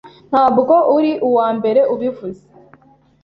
Ntabwo uri uwambere ubivuze